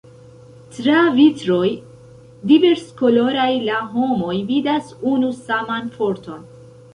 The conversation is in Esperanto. Tra vitroj diverskoloraj la homoj vidas unu saman Forton.